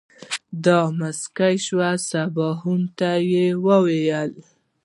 دی موسکی شو سباوون ته ووايه.